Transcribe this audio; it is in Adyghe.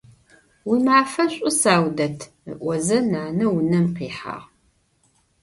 Уимафэ шӀу, Саудэт! – ыӀозэ нанэ унэм къихьагъ.